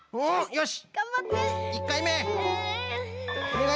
よし！